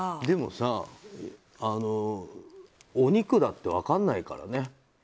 でもさ、お肉だって分かんないからね。